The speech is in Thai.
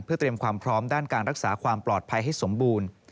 เพื่อเตรียมความพร้อมด้านการรักษาความปลอดภัยให้สมบูรณ์